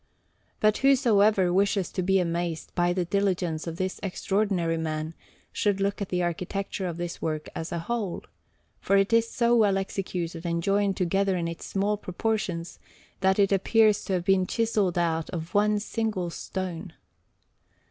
But whosoever wishes to be amazed by the diligence of this extraordinary man should look at the architecture of this work as a whole, for it is so well executed and joined together in its small proportions that it appears to have been chiselled out of one single stone.